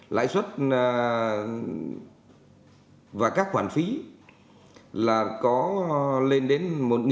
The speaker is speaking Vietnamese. lãi suất và các khoản phí là có lên đến một chín trăm bảy mươi